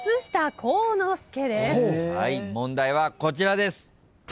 問題はこちらです。